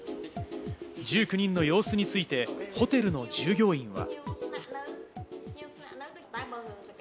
１９人の様子について、ホテルの従業員は。